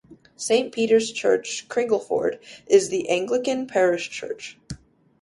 Saint Peter's Church, Cringleford is the Anglican parish church.